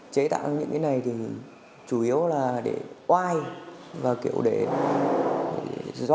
chế tạo những cái này thì chủ yếu là để oai và kiểu để dọa sợ